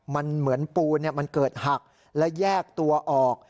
มันเหมือนปูนมันเกิดหักและแยกตัวออก